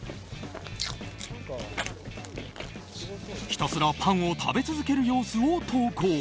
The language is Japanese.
ひたすらパンを食べ続ける様子を投稿。